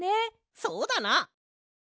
そうだな。